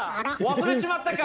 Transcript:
忘れちまったか？